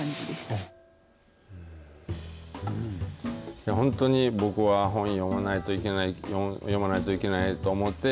いや本当に僕は本読まないといけない読まないといけないと思って。